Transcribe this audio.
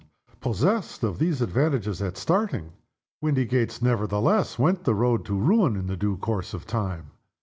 Possessed of these advantages, at starting, Windygates, nevertheless, went the road to ruin in due course of time.